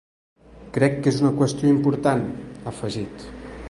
Crec que és una qüestió important, ha afegit.